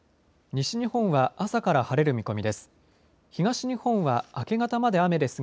西日本は朝から晴れる見込みです。